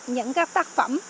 những các tác phẩm